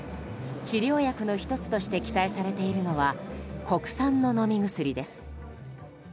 治療薬の１つとして期待されているのは国産の飲み薬です。